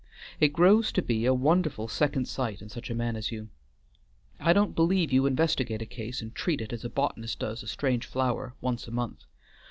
It grows to be a wonderful second sight in such a man as you. I don't believe you investigate a case and treat it as a botanist does a strange flower, once a month.